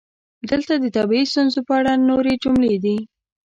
دلته د طبیعي ستونزو په اړه نورې جملې دي: